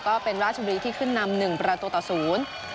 ก็เป็นราชบุรีที่ขึ้นนำหนึ่งประตูต่อศูนย์